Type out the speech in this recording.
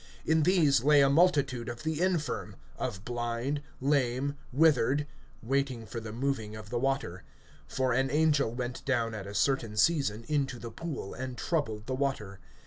(3)In these lay a multitude of the infirm, of blind, lame, withered [waiting for the moving of the water. (4)For an angel went down at a certain season into the pool, and troubled the water.